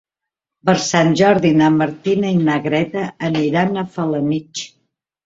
Per Sant Jordi na Martina i na Greta aniran a Felanitx.